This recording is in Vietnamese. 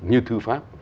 như thư pháp